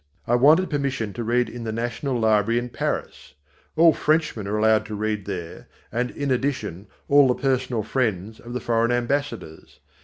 I wanted permission to read in the National Library in Paris. All Frenchmen are allowed to read there and, in addition, all the personal friends of the foreign ambassadors.